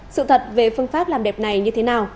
sự thật về phương pháp làm đẹp này như thế nào